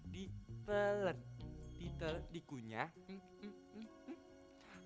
ditelet ditelet dikunyah